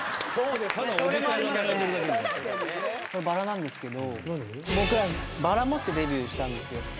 バラなんですけど僕らバラ持ってデビューしたんですよ。